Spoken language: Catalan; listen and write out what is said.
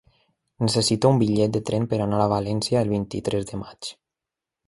Necessito un bitllet de tren per anar a València el vint-i-tres de maig.